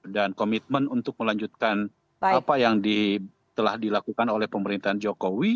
dan komitmen untuk melanjutkan apa yang telah dilakukan oleh pemerintahan jokowi